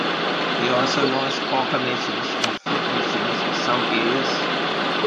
They are also known as "poker machines" and "fruit machines" in some areas.